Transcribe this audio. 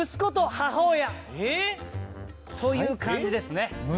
えっ！？という感じですね。